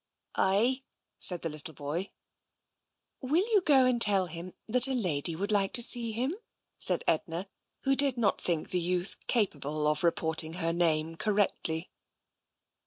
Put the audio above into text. " Ay," said the little boy. 179 i8o TENSION " Will you go and tell him that a lady would like to see him?'* said Edna, who did not think the youth capable of reporting her name correctly.